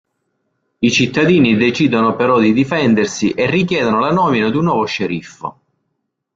I cittadini decidono però di difendersi e richiedono la nomina di un nuovo sceriffo.